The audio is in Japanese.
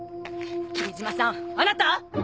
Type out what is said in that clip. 君島さんあなた！？